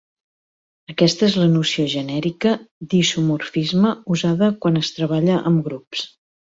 Aquesta és la noció genèrica d'isomorfisme usada quan es treballa amb grups.